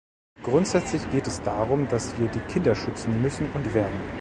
Grundsätzlich geht es darum, dass wir die Kinder schützen müssen und werden.